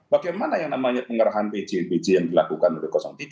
bagaimana yang namanya pengarahan pjbj yang dilakukan oleh tiga